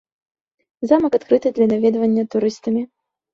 Замак адкрыты для наведвання турыстамі.